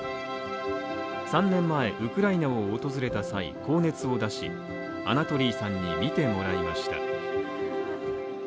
３年前、ウクライナを訪れた際高熱を出しアナトリーさんに診てもらいました。